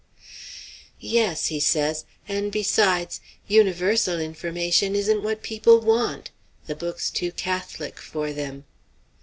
"Yes," he says; "and, besides, 'Universal Information' isn't what this people want. The book's too catholic for them."